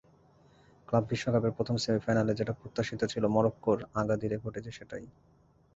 Club বিশ্বকাপের প্রথম সেমিফাইনালে যেটা প্রত্যাশিত ছিল, মরক্কোর আগাদিরে ঘটেছে সেটাই।